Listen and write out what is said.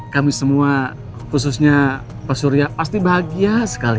kami semua khususnya pak surya pasti bahagia sekali